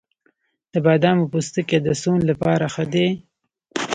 د بادامو پوستکی د سون لپاره ښه دی؟